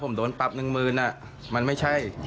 ผมโดนปรับหนึ่งหมื่นมันไม่ใช่